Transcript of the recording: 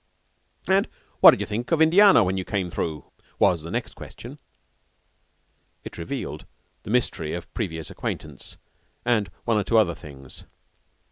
"And what did you think of Indiana when you came through?" was the next question. It revealed the mystery of previous acquaintance and one or two other things.